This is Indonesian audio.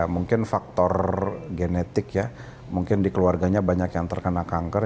mungkin faktor genetik ya mungkin di keluarganya banyak yang terkena kanker